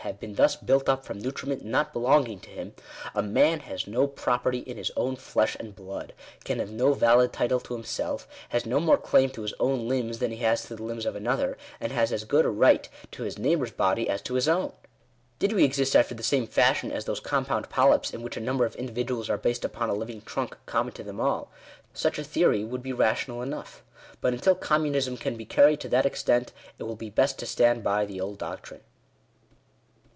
have been thus built up from nutriment not belonging to him, a man has no property in his own flesh and blood — can have no valid title to himself — has no more claim to his own limbs than he has to the limbs of another — and has as good a right to his neighbour's body as to his own ! Did we exist after the same fashion as those compound polyps, in which a number of individuals are based upon a living trunk common to them all, such a theory would be rational enough. But until Communism can be carried to that extent, it will be best to stand by the old doctrine. §6.